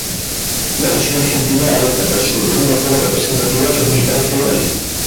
La Nación Argentina adopta para su gobierno la forma representativa republicana federal